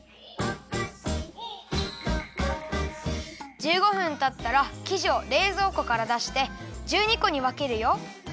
１５分たったらきじをれいぞうこからだして１２こにわけるよ。